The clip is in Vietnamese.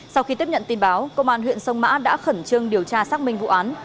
sau khi tiếp nhận tin báo công an huyện sông mã đã khẩn trương điều tra xác minh vụ án